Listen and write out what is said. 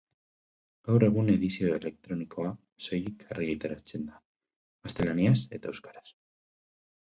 Gaur egun edizio elektronikoa soilik argitaratzen da, gaztelaniaz eta euskaraz.